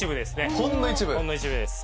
ほんの一部です。